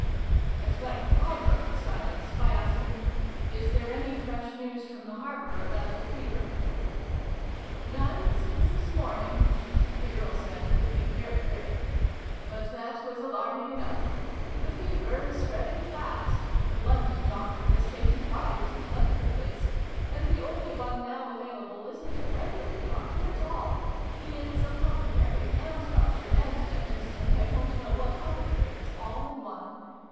At length I broke the silence by asking " Is there any fresh news from the harbour about the Fever ?"" None since this morning," the Earl said, looking very grave. " But that was alarming enough. The Fever is spreading fast : the London doctor has taken fright and left the place, and the only one now available isn't a xvn] TO THE RESCUE! 273 regular doctor at all : he is apothecary, and doctor, and dentist, and I don't know what other trades, all in one.